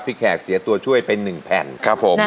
แขกเสียตัวช่วยไป๑แผ่นครับผม